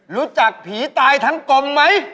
รู้จักผีตายทั้งกลมไหม